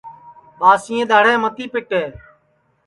ٻاسئیں دؔاڑھیں متی پیٹے